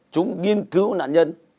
chúng nghiên cứu nạn nhân